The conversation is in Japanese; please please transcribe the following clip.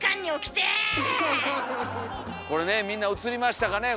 これねみんな映りましたかねえ